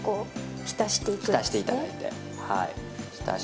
浸していただいて。